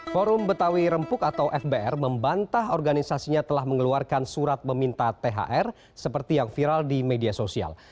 forum betawi rempuk atau fbr membantah organisasinya telah mengeluarkan surat meminta thr seperti yang viral di media sosial